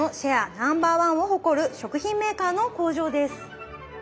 ナンバーワンを誇る食品メーカーの工場です。